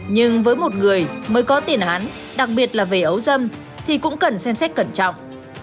nhưng với một người mới có tiền án đặc biệt là về ấu dâm thì cũng cần xem xét cẩn trọng